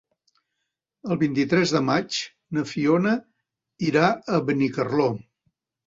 El vint-i-tres de maig na Fiona irà a Benicarló.